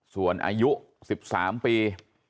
ส่วนอายุ๑๓ปี